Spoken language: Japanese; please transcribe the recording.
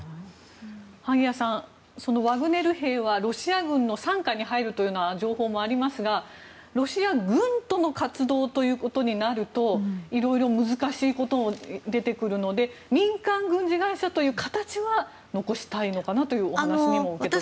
萩谷さん、ワグネル兵はロシア軍の傘下に入るというような情報もありますがロシア軍との活動ということになると色々、難しいことも出てくるので民間軍事会社という形は残したいのかなというお話にも受け取れました。